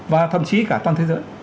và thậm chí cả toàn thế giới